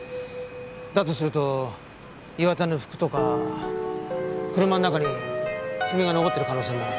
だとすると岩田の服とか車の中に爪が残ってる可能性も。